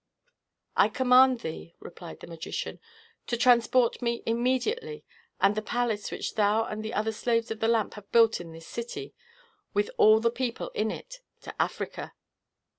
"I command thee," replied the magician, "to transport me immediately, and the palace which thou and the other slaves of the lamp have built in this dity, with all the people in it, to Africa."